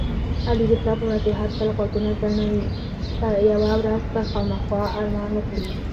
علي د پلار په نصیحت تل غوږونه کڼوي. یوه ورځ به خوامخا ارمان وکړي.